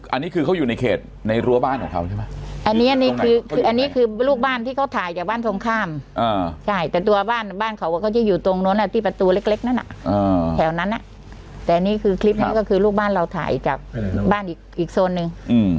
อันนี้คือเขาอยู่ในเขตในรั้วบ้านของเขาใช่ไหมอันนี้อันนี้คืออันนี้คือลูกบ้านที่เขาถ่ายจากบ้านตรงข้ามใช่แต่ตัวบ้านบ้านเขาก็จะอยู่ตรงนู้นที่ประตูเล็กนั้นแถวนั้นแต่อันนี้คือคลิปนี้ก็คือลูกบ้านเราถ่ายจากบ้านอีกโซนนึง